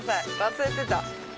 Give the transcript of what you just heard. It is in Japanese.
忘れてた。